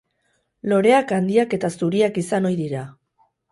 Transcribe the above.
Loreak handiak eta zuriak izan ohi dira.